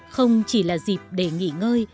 không chỉ là dịp để nghỉ ngơi